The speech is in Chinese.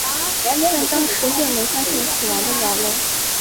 但当时并没发现死亡的鸟类。